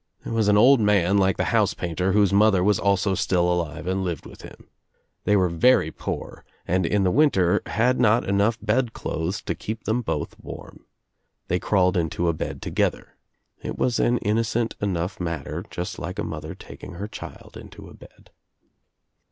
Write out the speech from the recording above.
There was an old man like the house painter whose mother was also still alive and lived with him. They were very poor and in the winter had not enough bedclothes to keep them both warm. They crawled into a bed together. It was an innocent enough matter, just like a mother taking her child into her bed.